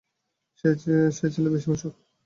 সে ছিল বেশ মিশুক।